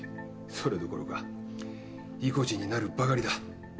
それどころかいこじになるばかりだ。